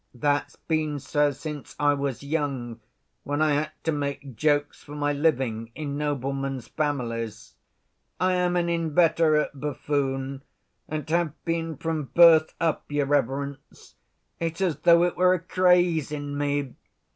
That's been so since I was young, when I had to make jokes for my living in noblemen's families. I am an inveterate buffoon, and have been from birth up, your reverence, it's as though it were a craze in me.